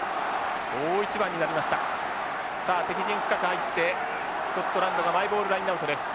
さあ敵陣深く入ってスコットランドがマイボールラインアウトです。